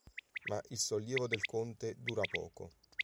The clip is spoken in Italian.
Ma il sollievo del Conte dura poco.